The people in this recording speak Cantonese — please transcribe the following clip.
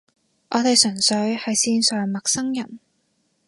我哋純粹係線上陌生人